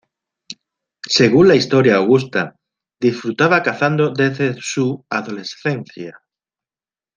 Según la "Historia Augusta" disfrutaba cazando desde su adolescencia.